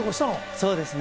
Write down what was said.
そうですね。